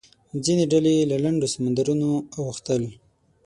ځینې ډلې له لنډو سمندرونو اوښتل.